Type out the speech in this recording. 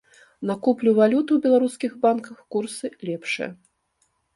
На куплю валюты ў беларускіх банках курсы лепшыя.